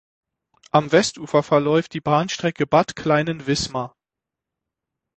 Am Westufer verläuft die Bahnstrecke Bad Kleinen–Wismar.